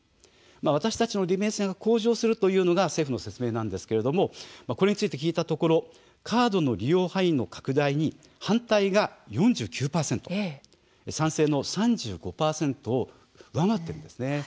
私たちの利便性が向上するというのが政府の説明なんですがこれについて聞いたところカードの利用範囲の拡大に反対が４９％賛成の３５％に上回っているんです。